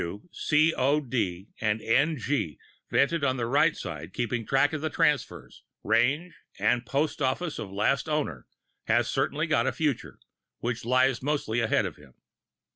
Q.," "C. O. D.," and "N. G." vented on right side, keeping track of transfers, range and post office of last owner, has certainly got a future, which lies mostly ahead of him.